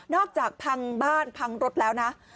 จากพังบ้านพังรถแล้วนะ